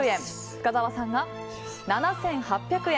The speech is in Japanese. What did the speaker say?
深澤さんが７８００円。